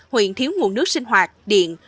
huyện thiếu nguồn nước sinh hoạt điện